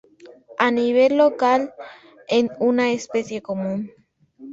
A nivel local en una especie común.